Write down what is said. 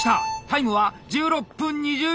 タイムは１６分２０秒。